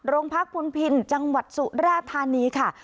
โรงพักพุนพินจังหวัดสุราธานีค่ะ